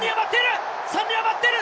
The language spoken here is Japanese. ３人待っている。